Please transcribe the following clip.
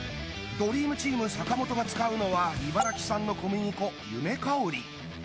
ドリームチーム・坂本が使うのは茨城産の小麦粉・ゆめかおり